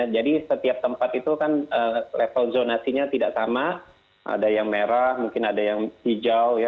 jadi setiap tempat itu kan level zonasinya tidak sama ada yang merah mungkin ada yang hijau